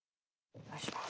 お願いします。